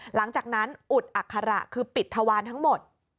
หลังจากนั้นอุดอัคระคือปิดทวารทั้งหมด